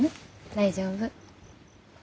大丈夫。